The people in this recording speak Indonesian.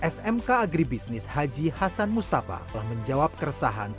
smk agribisnis haji hasan mustafa telah menjawab keresahan